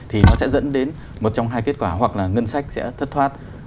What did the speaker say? thì nó sẽ dẫn đến một trong hai kết quả hoặc là ngân sách sẽ thất thoát